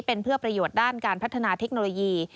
เป็นเพื่อประโยชน์ด้านการพัฒนาเทคโนโลยี